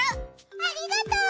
ありがとう！